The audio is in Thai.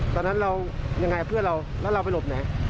ตอนนั้นเรายังไงเพื่อนเราแล้วเราไปหลบไหน